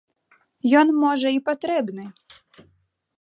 Ён, можа, і патрэбны.